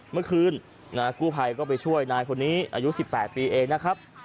เมื่อคืนกู้ภัยก็ไปช่วยนายคนนี้อายุ๑๘ปีเองนะครับ